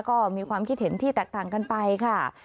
ก็มีความคิดเห็นที่แตกต่างกันไปค่ะ